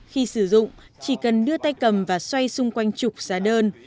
khi sử dụng chỉ cần đưa tay cầm và xoay xung quanh trục giá đơn